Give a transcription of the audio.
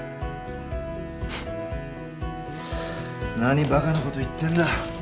フッ何バカなこと言ってんだ。